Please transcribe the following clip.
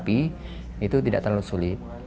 itu tidak terlalu sulit